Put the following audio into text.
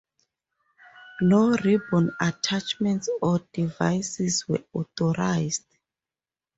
No ribbon attachments or devices were authorized.